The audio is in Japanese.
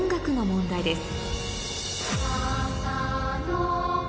問題です